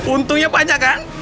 untungnya banyak kan